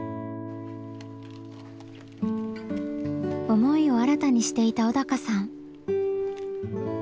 思いを新たにしていた小鷹さん。